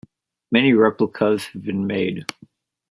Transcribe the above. Many replicas have been made.